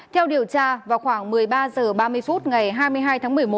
theo điều tra vào khoảng một mươi ba h ba mươi phút ngày hai mươi hai tháng một mươi một